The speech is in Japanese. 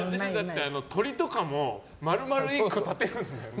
鶏とかも丸々１個立てるんだよね。